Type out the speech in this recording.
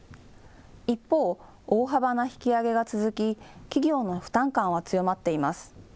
一方、大幅な引き上げが続き、企業の負担感は強まっています。